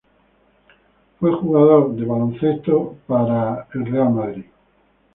Fue jugador de basketball para los Colorado Hawks.